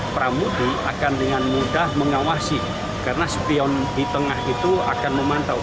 pramudi akan dengan mudah mengawasi karena spion di tengah itu akan memantau